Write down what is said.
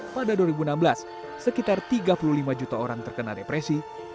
pada dua ribu enam belas sekitar tiga puluh lima juta orang terkena depresi